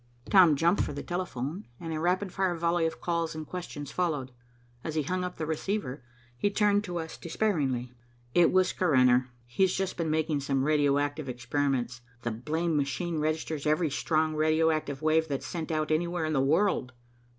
Tom jumped for the telephone, and a rapid fire volley of calls and questions followed. As he hung up the receiver, he turned to us despairingly. "It was Carrener. He's just been making some radio active experiments. The blamed machine registers every strong radio active wave that's sent out anywhere in the world."